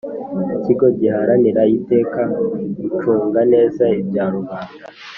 Ikigo giharanira iteka gucunga neza ibya rubanda